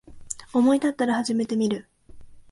思いたったら始めてみる